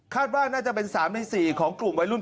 ว่าน่าจะเป็น๓ใน๔ของกลุ่มวัยรุ่น